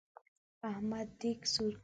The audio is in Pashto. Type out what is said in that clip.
احمد دېګ سور کړ.